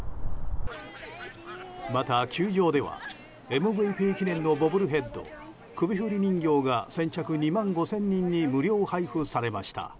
また、球場ではＭＶＰ記念のボブルヘッド首振り人形が先着２万５０００人に無料配布されました。